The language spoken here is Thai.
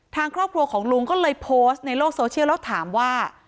ทางครอบครัวของลุงก็เลยโพสต์ในโลกโซเชียลแล้วถามว่า